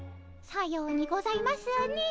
さようにございますねえ。